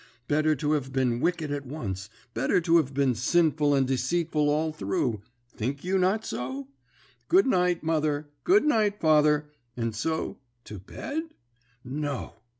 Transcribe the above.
Better to have been wicked at once, better to have been sinful and deceitful all through think you not so? "Good night, mother; good night, father," and so to bed? No.